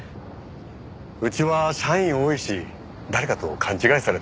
うちは社員多いし誰かと勘違いされてるんじゃ。